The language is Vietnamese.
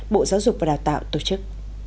bộ giáo dục và đào tạo tổ chức